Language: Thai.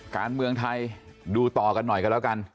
การเมืองไทยดูต่อกันหน่อยกันแล้วกัน